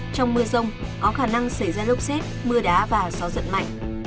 trong mưa rông có khả năng xảy ra lốc xét mưa đá và gió giật mạnh